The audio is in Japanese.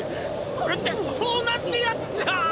これってそうなんてやつじゃあ。